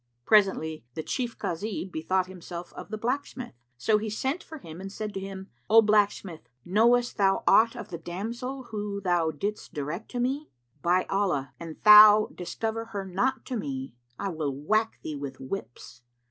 Presently the Chief Kazi bethought himself of the blacksmith; so he sent for him and said to him, "O blacksmith, knowest thou aught of the damsel whom thou didst direct to me? By Allah, an thou discover her not to me, I will whack thee with whips."